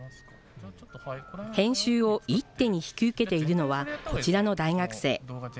編集を一手に引き受けているのは、こちらの大学生。